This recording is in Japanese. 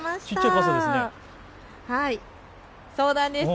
ちっちゃい傘ですね。